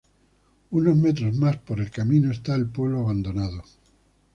Unos metros más por el camino está el pueblo abandonado.